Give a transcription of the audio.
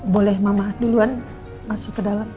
boleh mamah duluan masuk ke dalam